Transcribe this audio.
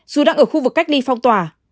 dù đang ở khu vực cách ly phong tỏa